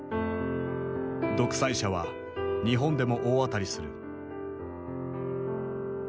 「独裁者」は日本でも大当たりする。